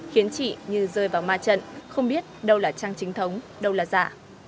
khiến chị như rơi vào ma trận không biết đâu là trang chính thống đâu là dạ